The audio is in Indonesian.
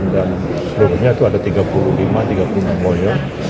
dan seluruhnya itu ada tiga puluh lima tiga puluh enam lawyer